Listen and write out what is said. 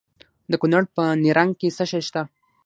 د کونړ په نرنګ کې څه شی شته؟